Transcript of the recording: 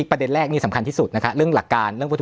ประเด็นแรกนี่สำคัญที่สุดนะคะเรื่องหลักการเรื่องวัตถุ